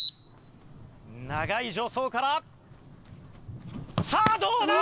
長い助走からさあどうだ？